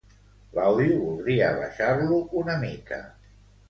L'àudio voldria abaixar-lo una mica.